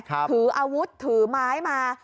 ถืออาวุธถือไม้มา